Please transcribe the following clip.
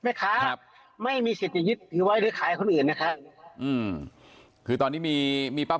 ทนายเกิดผลครับ